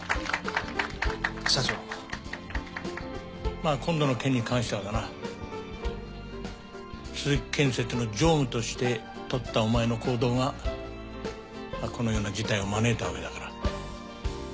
まあ今度の件に関してはだな鈴木建設の常務として取ったお前の行動がこのような事態を招いたわけだから。